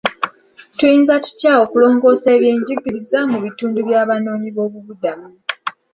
Tuyinza tutya okulongoosa eby'enjigiriza mu bitundu by'abanoonyi b'obubuddamu?